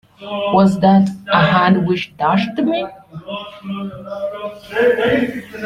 Was that a hand which touched me?